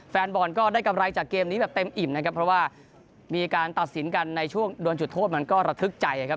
แฟนบอลก็ได้กำไรจากเกมนี้แบบเต็มอิ่มนะครับเพราะว่ามีการตัดสินกันในช่วงโดนจุดโทษมันก็ระทึกใจครับ